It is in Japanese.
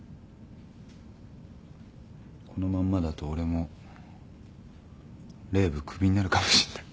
このまんまだと俺もＲＥＶＥクビになるかもしんない。